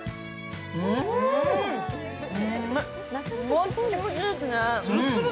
もっちもちですね。